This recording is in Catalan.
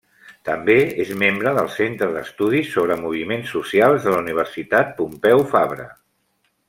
També és membre del Centre d'Estudis sobre Moviments Socials de la Universitat Pompeu Fabra.